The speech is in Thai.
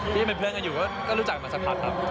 ที่เป็นเพื่อนกันอยู่ก็รู้จักมาสักพักครับ